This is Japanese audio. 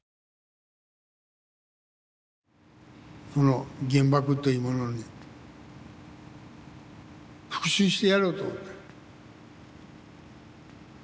その原爆というものに復讐してやろうと思った。